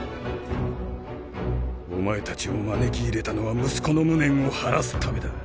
お前たちを招き入れたのは息子の無念を晴らすためだ。